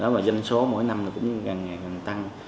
và danh số mỗi năm cũng gần ngày gần tăng